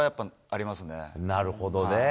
なるほどね。